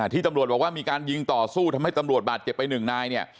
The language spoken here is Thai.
ที่ตำรวจบอกว่ามีการยิงต่อสู้ทำให้ตำรวจบาดเจ็บไปหนึ่งนายเนี่ย